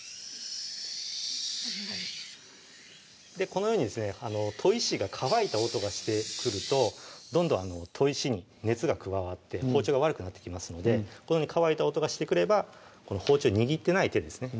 このようにですね砥石が乾いた音がしてくるとどんどん砥石に熱が加わって包丁が悪くなってきますのでこのように乾いた音がしてくれば包丁握ってない手ですね